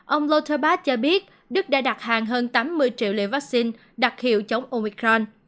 ông lutens cho biết đức đã đặt hàng hơn tám mươi triệu liệu vaccine đặc hiệu chống omicron